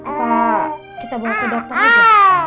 apa kita boleh ke dokter aja